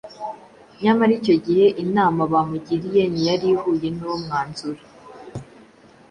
Nyamara icyo gihe inama bamugiriye ntiyari ihuye n’uwo mwanzuro